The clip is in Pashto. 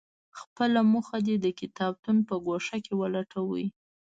خپله موخه دې د کتابتون په ګوښه کې ولټوي.